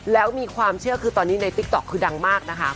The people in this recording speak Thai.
แล้วมีความเชื่อคือตอนนี้ในติ๊กต๊อกคือดังมากนะคะ